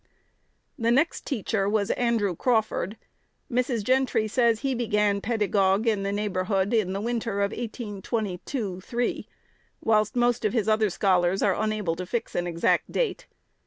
The next teacher was Andrew Crawford. Mrs. Gentry says he began pedagogue in the neighborhood in the winter of 1822 3, whilst most of his other scholars are unable to fix an exact date.